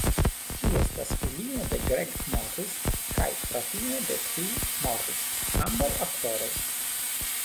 Ŝi estas filino de Greg Morris kaj fratino de Phil Morris, ambaŭ aktoroj.